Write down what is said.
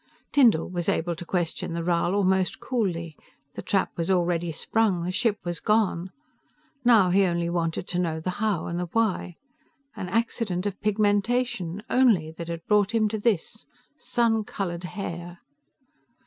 Tyndall was able to question the Rhal almost coolly, the trap was already sprung, the ship was gone. Now, he only wanted to know the how, and the why. An accident of pigmentation, only that had brought him to this. Sun colored hair!